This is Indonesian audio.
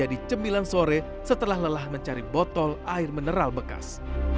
di bawah sini satu burung albania yang telah ketrampas